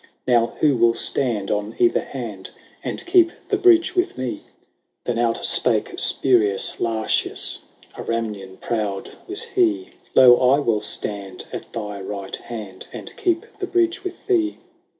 Now who will stand on either hand. And keep the bridge with me ?" 58 LAYS OF ANCIENT ROME. XXX. Then out spake Spurius Lartius ; A Ramnian proud was he :" Lo, I will stand at thy right hand, And keep the bridge with thee."